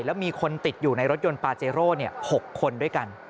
แล้วมีคนติดอยู่ในรถยนต์ปาเจโร่๖คนด้วยกัน